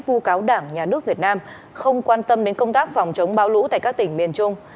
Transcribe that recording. vô cáo đảng nhà nước việt nam không quan tâm đến công tác phòng chống bão lũ tại các tỉnh miền trung